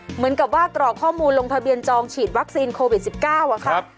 เหมือนกับว่ากรอกข้อมูลลงทะเบียนจองฉีดวัคซีนโควิด๑๙อะค่ะ